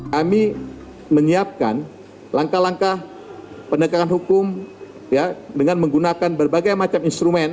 kami menyiapkan langkah langkah pendekatan hukum dengan menggunakan berbagai macam instrumen